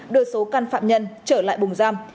đưa số căn phạm nhân trở lại bùng giam